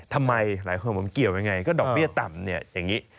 ทำไมหลายคนผมเกี่ยวยังไงก็ดอกเบี้ยต่ำเนี่ยอย่างนี้